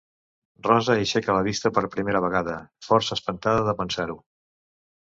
Rosa aixeca la vista per primera vegada, força espantada de pensar-ho.